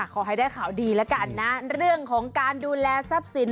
ขอให้ได้ข่าวดีแล้วกันนะเรื่องของการดูแลทรัพย์สิน